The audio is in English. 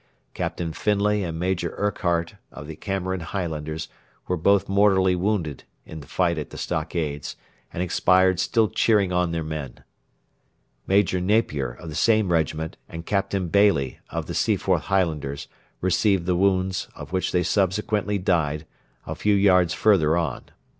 Captain Findlay and Major Urquhart, of the Cameron Highlanders, were both mortally wounded in the fight at the stockades, and expired still cheering on their men. Major Napier, of the same regiment, and Captain Baillie, of the Seaforth Highlanders, received the wounds, of which they subsequently died, a few yards further on.